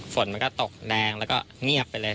ฝนมันก็ตกแดงแล้วก็เงียบไปเลย